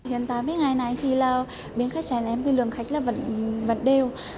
hiện tại với ngày này thì là bên khách sạn em dư luận khách là vẫn đều